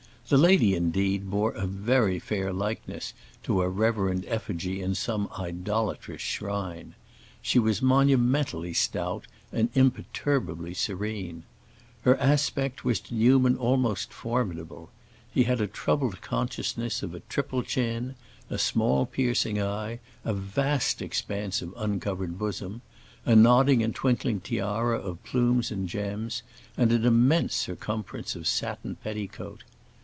The lady, indeed, bore a very fair likeness to a reverend effigy in some idolatrous shrine. She was monumentally stout and imperturbably serene. Her aspect was to Newman almost formidable; he had a troubled consciousness of a triple chin, a small piercing eye, a vast expanse of uncovered bosom, a nodding and twinkling tiara of plumes and gems, and an immense circumference of satin petticoat.